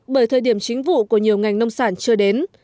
bởi thời điểm chính vụ của nhiều ngành nông sản chưa đến